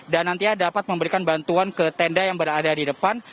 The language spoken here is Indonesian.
dan nanti dapat memberikan bantuan ke tenda yang berada di depan